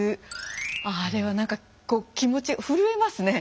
あれは何か気持ち震えますね。